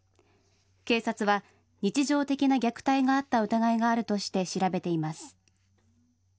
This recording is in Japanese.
警察は、日常的な虐待があった疑いがあるとして調べています。